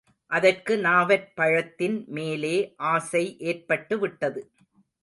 அதற்கு நாவற்பழத்தின் மேலே ஆசை ஏற்பட்டுவிட்டது.